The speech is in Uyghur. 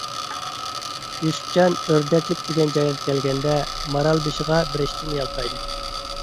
يۈسۈپجان ئۆردەكلىك دېگەن جايغا كەلگەندە، مارالبېشىغا بېرىشتىن يالتايدى.